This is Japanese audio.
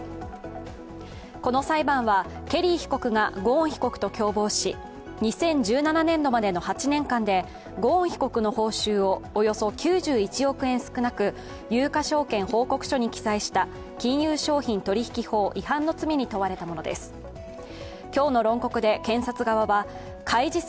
この裁判は、ケリー被告がゴーン被告と共謀し２０１７年度までの８年間でゴーン被告の報酬をおよそ９１億円少なく、有価証券報告書に記載した金融商品取引法違反の罪に問われたものです。